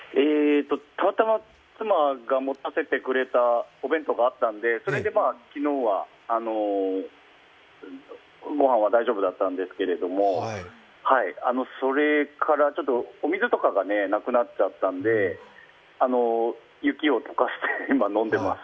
たまたま妻が持たせてくれたお弁当があったので、それで昨日はご飯は大丈夫だったんですけれども、それからお水とかがなくなっちゃったんで雪を溶かして今、飲んでいます。